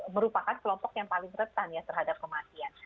merupakan kelompok yang paling rentan ya terhadap kematian